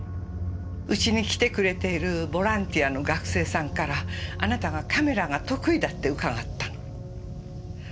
うちに来てくれているボランティアの学生さんからあなたがカメラが得意だって伺ったの。